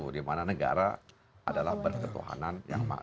di mana negara adalah berketuhanan